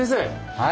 はい。